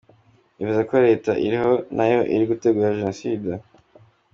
Bivuze ko Leta iriho nayo iri gutegura Jenoside?